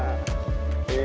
nanti berkabar lagi ya